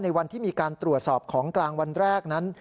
วันที่มีการตรวจสอบของกลางวันแรกนั้น